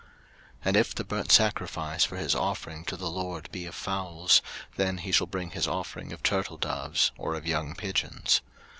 03:001:014 And if the burnt sacrifice for his offering to the LORD be of fowls, then he shall bring his offering of turtledoves, or of young pigeons.